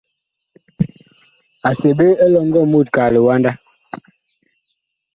A seɓe elɔŋgɔ mut kaa liwanda.